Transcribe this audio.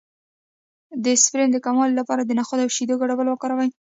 د سپرم د کموالي لپاره د نخود او شیدو ګډول وکاروئ